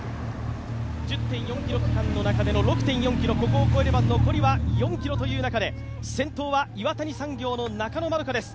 １０．４ｋｍの中での６．４ｋｍ、ここを超えれば、残りは４ｋｍという中で、先頭は岩谷産業の中野円花です。